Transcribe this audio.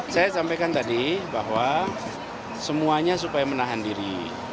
saya sampaikan tadi bahwa semuanya supaya menahan diri